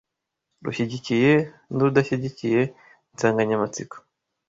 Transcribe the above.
rushyigikiye n’urudashyigikiye insanganyamatsiko